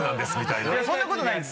いやそんなことないです！